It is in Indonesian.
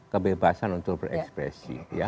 kebebasan untuk berekspresi